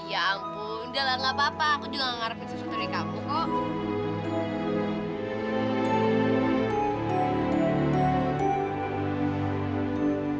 ya ampun udah lah nggak apa apa aku juga nggak ngarepin sesuatu dari kamu kok